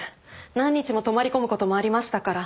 何日も泊まり込む事もありましたから。